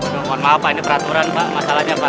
mohon maaf pak ini peraturan pak masalahnya pak